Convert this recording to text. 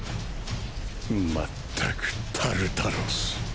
まったくタルタロス！